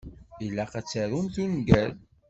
Ilaq ad tarumt ungal.